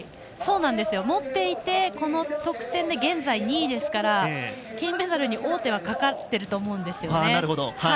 持っていてこの得点で現在２位ですから金メダルに王手はかかっていると思うんですね。